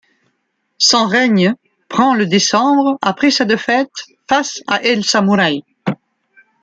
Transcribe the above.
Son règne prend le décembre après sa défaite face à El Samurai.